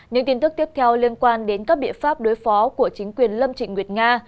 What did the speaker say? những tin tức tiếp theo liên quan đến các biện pháp đối phó của chính quyền lâm trịnh nguyệt nga